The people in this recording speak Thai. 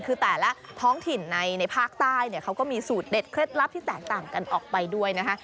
คือแต่ละท้องถิ่นในภาคใต้เนี่ยเขาก็มีสูตรเด็ดเคล็ดลับที่แตกต่างกันออกไปด้วยนะคะ